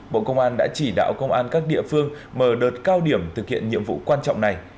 bộ công an đã chỉ đạo công an các địa phương mở đợt cao điểm thực hiện nhiệm vụ quan trọng này